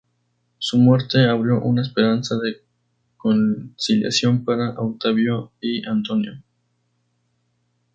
Su muerte abrió una esperanza de conciliación para Octavio y Antonio.